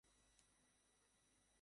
হুম, আমিও তোমাকে ভালোবাসি।